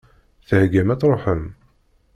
Theggam ad tṛuḥem?